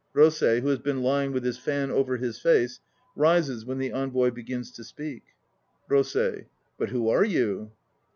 fROSEI, who has been lying with his fan over his face, rises when the ENVOY begins to speak.) ROSEI. But who are you?